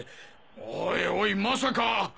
おいおいまさか！